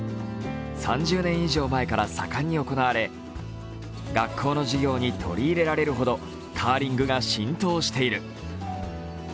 ３０年以上前から盛んに行われ、学校の授業に取り入れられるほどカーリングが浸透している。